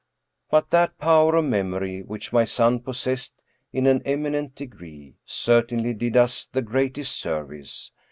But that power of memory which my son possessed in an eminent degree certainly did us the greatest service.